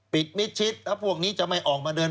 มิดชิดแล้วพวกนี้จะไม่ออกมาเดิน